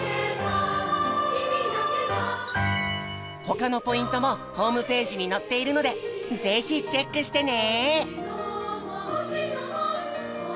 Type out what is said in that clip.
他のポイントもホームページに載っているので是非チェックしてね！